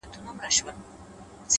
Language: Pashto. څوک به نو څه رنګه اقبا وویني’